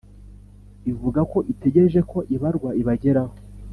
ivuga ko itegereje ko ibwarwa ibageraho